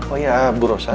oh ya bu rosan